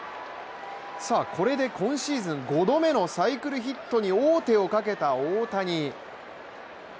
これで今シーズン５度目のサイクルヒットに王手をかけた大谷。